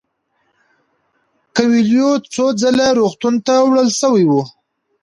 کویلیو څو ځله روغتون ته وړل شوی و.